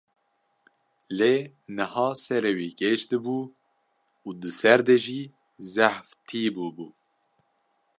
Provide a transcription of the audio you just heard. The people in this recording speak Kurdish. Lê niha serê wî gêj dibû û di ser de jî zehf tî bûbû.